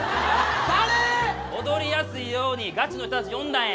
踊りやすいようにガチの人たち呼んだんや。